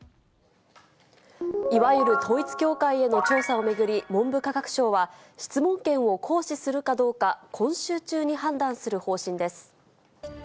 いわゆる統一教会への調査を巡り、文部科学省は、質問権を行使するかどうか、今週中に判断する方針です。